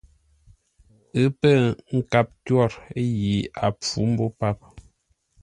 Ə́ pə̂ nkâp twôr yi a pfǔ mbô páp.